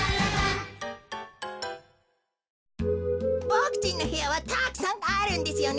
ボクちんのへやはたくさんあるんですよね。